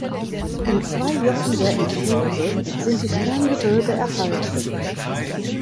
In zwei Jochen der Empore sind die Sterngewölbe erhalten.